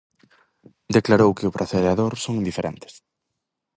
Declarou que o pracer e a dor son indiferentes.